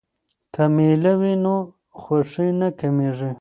که میله وي نو خوښي نه کمېږي.